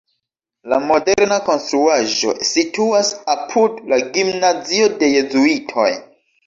La moderna konstruaĵo situas apud la gimnazio de jezuitoj.